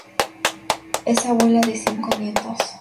Es abuela de cinco nietos.